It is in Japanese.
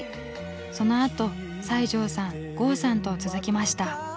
そのあと西城さん郷さんと続きました。